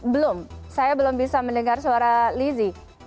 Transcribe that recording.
belum saya belum bisa mendengar suara lizzy